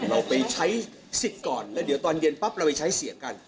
เราไปใช้สิทธิ์ก่อนแล้วเดี๋ยวตอนเย็นปั๊บเราไปใช้เสียงกัน